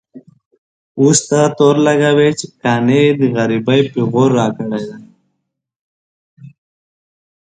اوس ته تور لګوې چې قانع د غريبۍ پېغور راکړی دی.